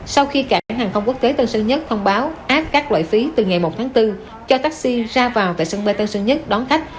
sau khi cảng hàng không quốc tế tân sơn nhất thông báo áp các loại phí từ ngày một tháng bốn cho taxi ra vào tại sân bay tân sơn nhất đón khách